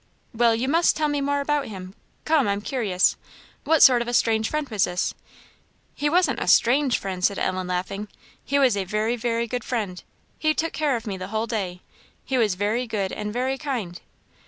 "Well, you must tell me more about him come, I'm curious; what sort of a strange friend was this?" "He wasn't a strange friend," said Ellen, laughing; "he was a very, very good friend; he took care of me the whole day; he was very good and very kind."